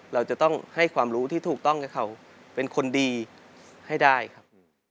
เราจะต้องให้ความรู้ที่ถูกต้องให้เขาเป็นคนดีให้ได้ครับ